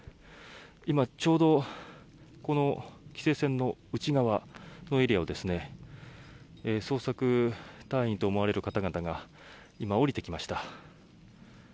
今、ちょうど規制線の内側のエリアを捜索隊員と思われる方々が今、下りてきました。